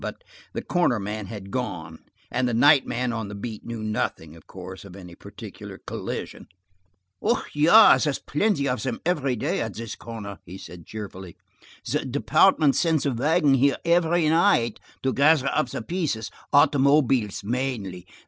But the corner man had gone, and the night man on the beat knew nothing, of course, of any particular collision. "There's plinty of 'em every day at this corner," he said cheerfully. "The department sends a wagon here every night to gather up the pieces, automobiles mainly.